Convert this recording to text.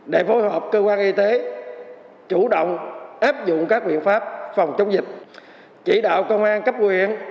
để phối hợp cơ quan y tế chủ động áp dụng các biện pháp phòng chống dịch chỉ đạo công an cấp quyện